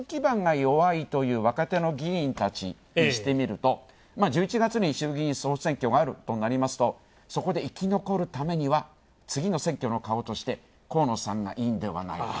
そうなりますと、選挙基盤が弱いという若手の議員たちにしてみると１１月に衆議院総選挙があるということになりますとそこで生き残るためには、次の選挙の顔として河野さんがいいんではないか。